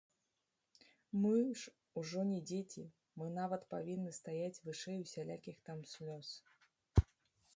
Мы ж ужо не дзеці, мы нават павінны стаяць вышэй усялякіх там слёз.